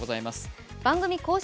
番組公式